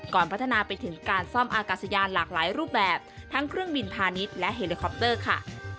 พัฒนาไปถึงการซ่อมอากาศยานหลากหลายรูปแบบทั้งเครื่องบินพาณิชย์และเฮลิคอปเตอร์ค่ะ